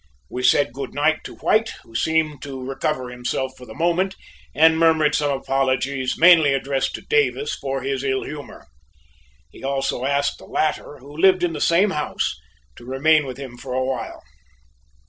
We said good night to White, who seemed to recover himself for the moment and murmured some apologies, mainly addressed to Davis, for his ill humor. He also asked the latter, who lived in the same house, to remain with him for a while.